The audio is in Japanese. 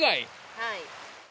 はい。